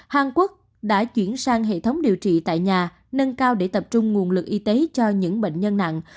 hàn quốc đã chuyển sang hệ thống điều trị tại nhà nâng cao để tập trung nguồn lực y tế cho những bệnh nhân nặng